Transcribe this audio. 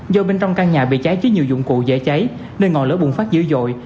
do bên trong căn nhà bị cháy chứa nhiều dụng cụ dễ cháy nên ngọn lửa bùng phát dữ dội